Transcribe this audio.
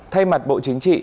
thay mặt bộ chính trị